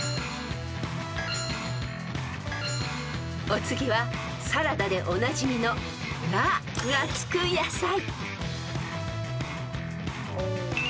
［お次はサラダでおなじみの「ラ」が付く野菜］